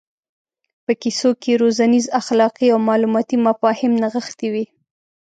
په کیسو کې روزنیز اخلاقي او معلوماتي مفاهیم نغښتي وي.